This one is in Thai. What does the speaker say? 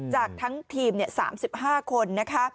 จากทั้งทีม๓๕คน